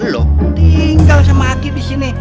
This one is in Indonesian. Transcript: lo tinggal sama aki disini